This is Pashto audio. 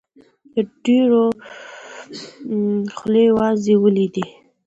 د ډېرو خولې وازې ولیدې.